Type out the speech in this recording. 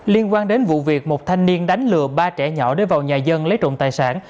liên quan đến vụ việc một thanh niên đánh lừa ba trẻ nhỏ để vào nhà dân lấy trộm tài sản